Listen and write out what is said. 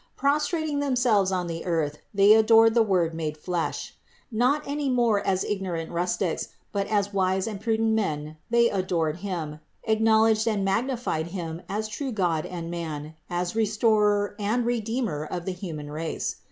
496. Prostrating themselves on the earth they adored the Word made flesh. Not any more as ignorant rustics, but as wise and prudent men they adored Him, acknowl edged and magnified Him as true God and man, as Re storer and Redeemer of the human race.